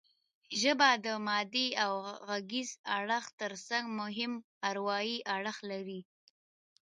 ژبه د مادي او غږیز اړخ ترڅنګ مهم اروايي اړخ لري